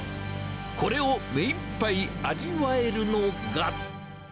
これを目いっぱい味わえるのが。